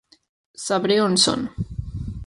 Sabré on són.